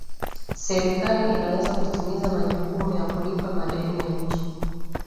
serikali inaweza kutimiza majukumu ya kulipa madeni ya nje